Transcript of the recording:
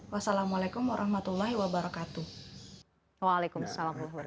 wassalamualaikum warahmatullahi wabarakatuh